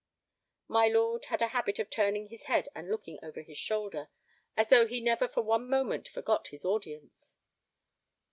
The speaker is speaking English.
My lord had a habit of turning his head and looking over his shoulder, as though he never for one moment forgot his audience.